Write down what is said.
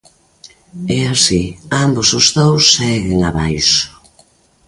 E así, ambos os dous seguen abaixo.